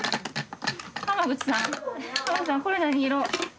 口さん口さんこれ何色？